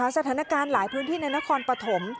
สถานการณ์หลายพื้นที่ในนครปฐม